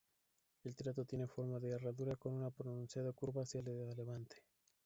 El teatro tiene forma de herradura con una pronunciada curva hacia levante.